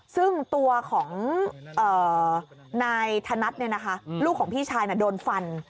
ซึ่งตัวของนายธนัดเนี่ยนะคะลูกของพี่ชายโดนฟัน